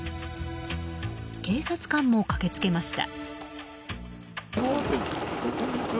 警察官も駆けつけました。